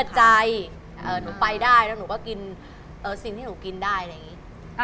ใจหนูไปได้แล้วหนูก็กินสิ่งที่หนูกินได้อะไรอย่างนี้